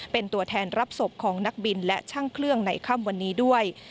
เป็นตัวแทนรับศพของนักบินและช่างเครื่องในค่ำวันนี้ด้วย